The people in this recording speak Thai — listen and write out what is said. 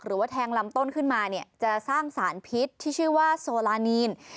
หรือว่าแทงลำต้นขึ้นมาเนี่ยจะสร้างสารพิษที่ชื่อว่าโซลานีน